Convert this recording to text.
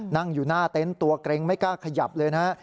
นั่งอยู่หน้าเต็นต์ตัวเกร็งไม่กล้าขยับเลยนะฮะ